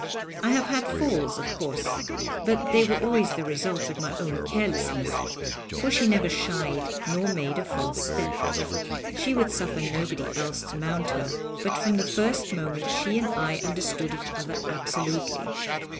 I have had falls, of course, but they were always the result of my own carelessness, for she never shied nor made a false step. She would suffer nobody else to mount her, but from the first moment she and I understood each other absolutely.